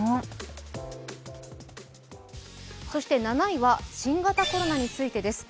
７位は新型コロナについてです。